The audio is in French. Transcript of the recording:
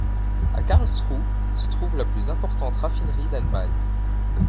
À Karlsruhe se trouve la plus importante raffinerie d'Allemagne.